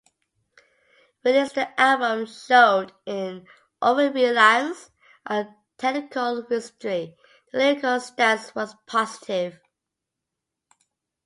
Whilst the album showed an over-reliance on technical wizardry, their lyrical stance was positive.